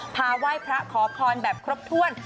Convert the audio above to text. ไหว้พระขอพรแบบครบถ้วน